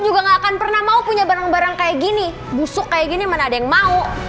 juga gak akan pernah mau punya barang barang kayak gini busuk kayak gini mana ada yang mau